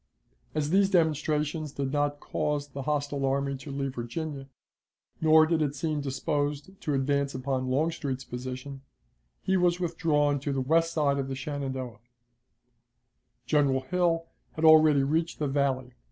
As these demonstrations did not cause the hostile army to leave Virginia, nor did it seem disposed to advance upon Longstreet's position, he was withdrawn to the west side of the Shenandoah. General Hill had already reached the Valley.